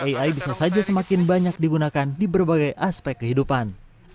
ai bisa saja semakin banyak digunakan di berbagai aspek kehidupan